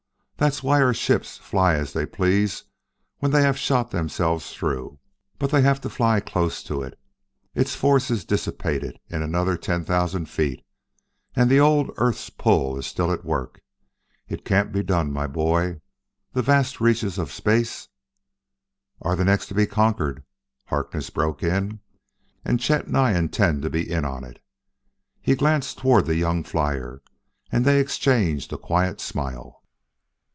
That's why our ships fly as they please when they have shot themselves through. But they have to fly close to it; its force is dissipated in another ten thousand feet, and the old earth's pull is still at work. It can't be done, my boy; the vast reaches of space " "Are the next to be conquered," Harkness broke in. "And Chet and I intend to be in on it." He glanced toward the young flyer, and they exchanged a quiet smile.